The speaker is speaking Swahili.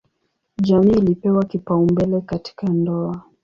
Jamii ilipewa kipaumbele katika ndoa.